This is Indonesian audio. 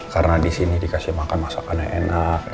karena disini dikasih makan masakannya enak